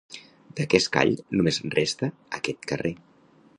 D'aquest call només resta aquest carrer.